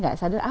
gak tau ya